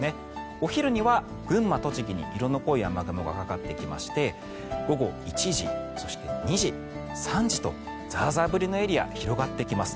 お昼には群馬、栃木に色の濃い雨雲がかかってきまして午後１時、そして２時、３時とザーザー降りのエリア広がってきます。